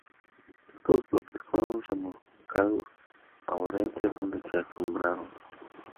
Estos bloques fueron remolcados a Odense, donde se ensamblaron.